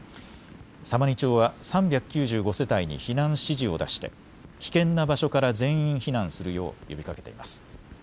様似町は３９５世帯に避難指示を出して危険な場所から全員避難するよう呼びかけています。